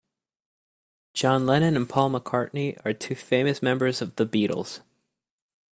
John Lennon and Paul McCartney are two famous members of the Beatles.